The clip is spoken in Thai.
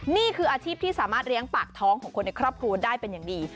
นี่คืออาชีพที่สามารถเลี้ยงปากท้องของคนในครอบครัวได้เป็นอย่างดี